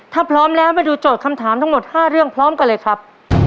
ถ้าพร้อมแล้วมาดูโจทย์คำถามทั้งหมด๕เรื่องพร้อมกันเลยครับ